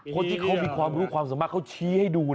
คนที่เขามีความรู้ความสามารถเขาชี้ให้ดู